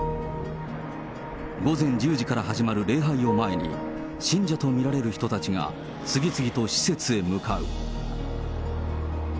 午前１０時から始まる礼拝を前に、信者と見られる人たちが次々と施設へ向かう。